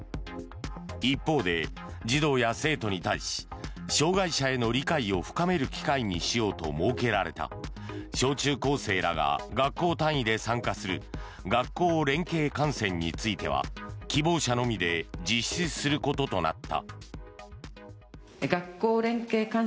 一方で、児童や生徒に対し障害者への理解を深める機会にしようと設けられた小中高生らが学校単位で参加する学校連携観戦については希望者のみで実施することとなった。